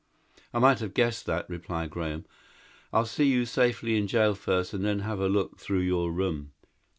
"I might have guessed that," replied Graham. "I'll see you safely in jail first and then have a look through your room.